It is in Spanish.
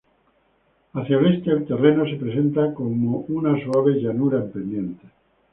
Hacia el este, el terreno se presenta como una suave llanura en pendiente.